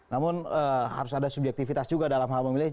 namun harus ada subjektivitas juga dalam hal memilih